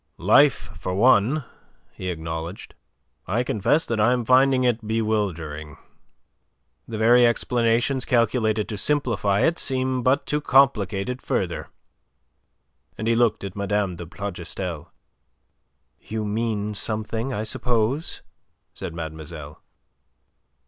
"Life, for one," he acknowledged. "I confess that I am finding it bewildering. The very explanations calculated to simplify it seem but to complicate it further." And he looked at Mme. de Plougastel. "You mean something, I suppose," said mademoiselle.